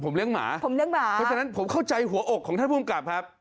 เลี้ยงหมาผมเลี้ยหมาเพราะฉะนั้นผมเข้าใจหัวอกของท่านภูมิกับครับ